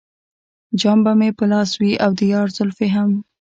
جام به مې په لاس وي او د یار زلفې هم.